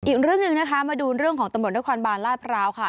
อีกเรื่องหนึ่งนะคะมาดูเรื่องของตำรวจนครบาลลาดพร้าวค่ะ